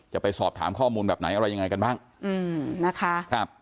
จะไปสอบถามข้อมูลแบบไหนอะไรยังไงกันบ้างอืมนะคะ